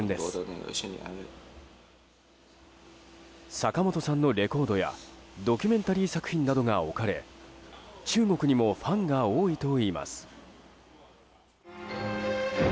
坂本さんのレコードやドキュメンタリー作品などが置かれ中国にもファンが多いといいます。